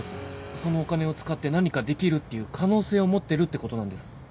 そのお金を使って何かできるっていう可能性を持ってるってことなんです。